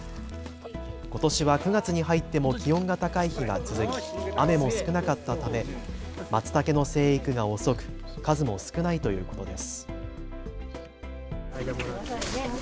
ことしは９月に入っても気温が高い日が続き雨も少なかったため、まつたけの生育が遅く数も少ないということです。